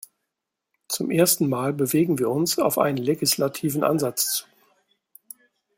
Zum ersten Mal bewegen wir uns auf einen legislativen Ansatz zu.